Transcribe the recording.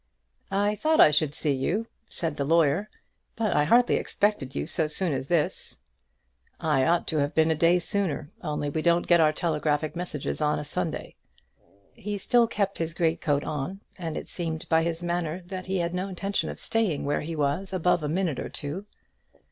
"I thought I should see you," said the lawyer; "but I hardly expected you so soon as this." "I ought to have been a day sooner, only we don't get our telegraphic messages on a Sunday." He still kept his great coat on; and it seemed by his manner that he had no intention of staying where he was above a minute or two.